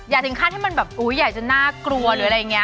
อย่าทิ้งคาดให้มันแบบอุ๊ยใหญ่จนน่ากลัวหรืออะไรอย่างนี้